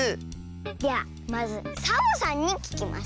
ではまずサボさんにききます。